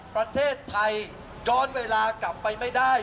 ประเทศไทยย้อนเวลากลับไปไม่ได้